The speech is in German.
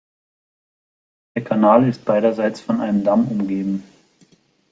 Der Kanal ist beiderseits von einem Damm umgeben.